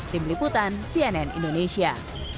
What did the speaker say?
tim liputan cnn indonesia